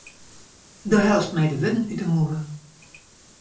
Do hellest my de wurden út de mûle.